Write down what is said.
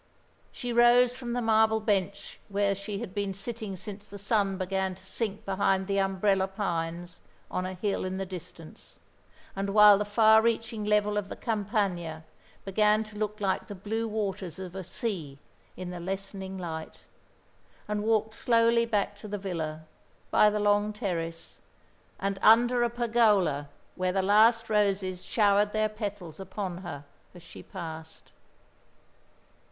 She rose from the marble bench where she had been sitting since the sun began to sink behind the umbrella pines on a hill in the distance, and while the far reaching level of the Campagna began to look like the blue waters of a sea in the lessening light, and walked slowly back to the villa, by the long terrace, and under a pergola where the last roses showered their petals upon her as she passed.